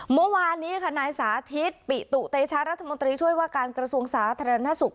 เมื่อวานนี้ค่ะนายสาธิตปิตุเตชะรัฐมนตรีช่วยว่าการกระทรวงสาธารณสุข